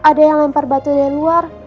ada yang lempar batu dari luar